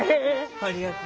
ありがとう。